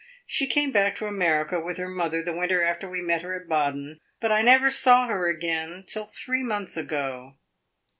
She came back to America with her mother the winter after we met her at Baden, but I never saw her again till three months ago.